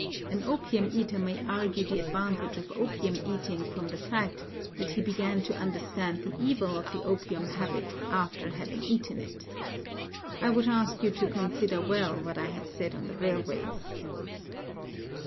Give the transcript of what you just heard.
An opium eater may argue the advantage of opium eating from the fact that he began to understand the evil of the opium habit after having eaten it. I would ask you to consider well what I have said on the railways.